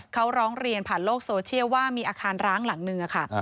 เขาร้องเรียนผ่านโลกโซเชียลว่ามีอาคารร้างหลังหนึ่งค่ะ